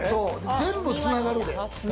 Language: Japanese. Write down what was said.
全部つながるで。